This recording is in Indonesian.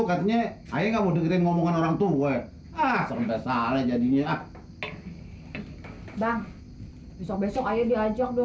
katanya saya nggak mau deketin ngomong orangtua ah serta salah jadinya bang besok besok aja diajak